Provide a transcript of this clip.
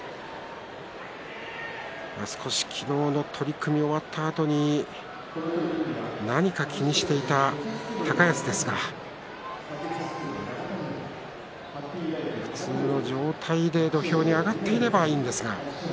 少し昨日の取組が終わったあとに何か気にしていた高安ですが普通の状態で土俵に上がっていればいいんですが。